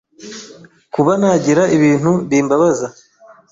kuba nagira ibintu bimbabaza